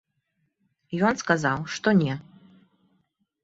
Ён сказаў, што не.